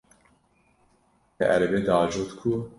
Te erebe diajot ku?